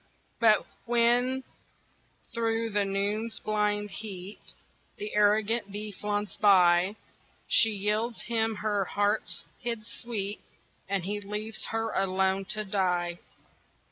But when, through the noon's blind heat, The arrogant bee flaunts by, She yields him her heart's hid sweet, And he leaves her alone, to die.